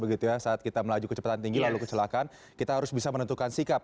begitu ya saat kita melaju kecepatan tinggi lalu kecelakaan kita harus bisa menentukan sikap